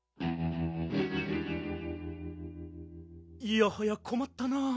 いやはやこまったな。